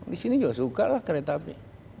di sini juga suka lah kereta api